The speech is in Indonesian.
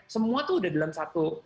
semua tuh udah dalam satu